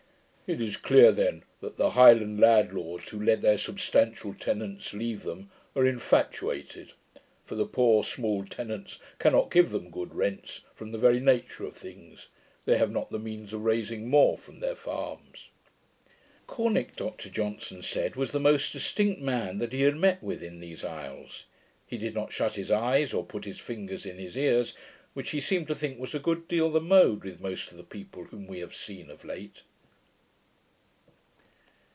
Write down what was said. It is clear then, that the Highland landlords, who let their substantial tenants leave them, are infatuated; for the poor small tenants cannot give them good rents, from the very nature of things. They have not the means of raising more from their farms.' Corneck, Dr Johnson said, was the most distinct man that he had met with in these isles; he did not shut his eyes, or put his fingers in his ears, which he seemed to think was a good deal the mode with most of the people whom we have seen of late.